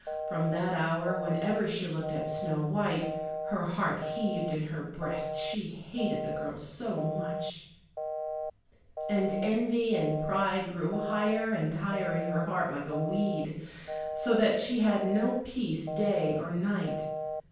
From that hour, whenever she looked at Snow white, her heart heaved in her breast, she hated the girl so much. And envy and pride grew higher and higher in her heart like a weed, so that she had no peace day or night.